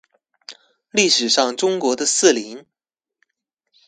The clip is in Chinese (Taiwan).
歷史上中國的四鄰